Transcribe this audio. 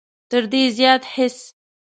تر دې زیات هېڅ.